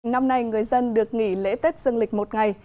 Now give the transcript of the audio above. năm nay người dân được nghỉ lễ tết dương lịch một ngày